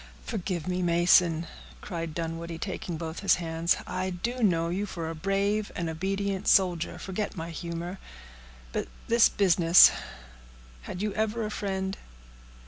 "Forgive me, Mason," cried Dunwoodie, taking both his hands. "I do know you for a brave and obedient soldier; forget my humor. But this business—had you ever a friend?"